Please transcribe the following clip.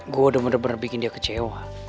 gue udah bener bener bikin dia kecewa